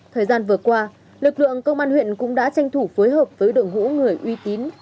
thời gian vừa qua lực lượng công an huyện cũng đã tranh thủ phối hợp với đội ngũ người uy tín